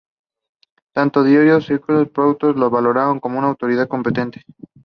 He also advocated improved health care for senior citizens.